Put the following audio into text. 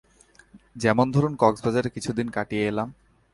যেমন ধরুন, কক্সবাজারে কিছুদিন কাটিয়ে এলাম।